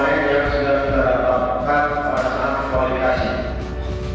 yang sudah dapat melakukan perasaan kualifikasi